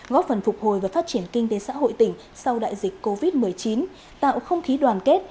góp phần phục hồi và phát triển kinh tế xã hội tỉnh sau đại dịch covid một mươi chín tạo không khí đoàn kết